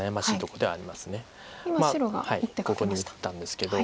ここに打ったんですけど。